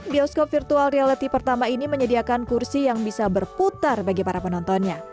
bioskop virtual reality pertama ini menyediakan kursi yang bisa berputar bagi para penontonnya